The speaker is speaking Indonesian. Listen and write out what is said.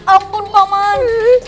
ampun pak man